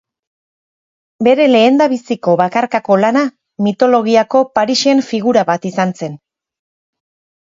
Bere lehendabiziko bakarkako lana mitologiako Parisen figura bat izan zen.